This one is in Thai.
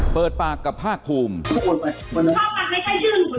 เปิดปากกับภาคภูมิ